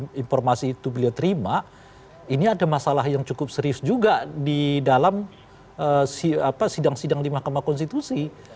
kalau informasi itu beliau terima ini ada masalah yang cukup serius juga di dalam sidang sidang di mahkamah konstitusi